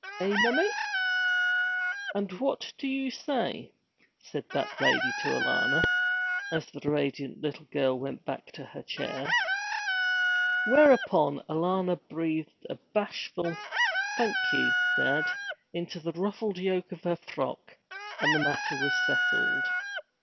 Eh, mommie?' 'And what do you say?' said that lady to Alanna, as the radiant little girl went back to her chair. Whereupon Alanna breathed a bashful 'Thank you, dad,' into the ruffled yoke of her frock, and the matter was settled.